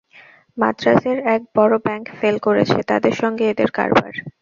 মাদ্রাজের এক বড়ো bank fail করেছে, তাদের সঙ্গে এদের কারবার।